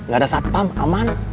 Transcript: gak ada satpam aman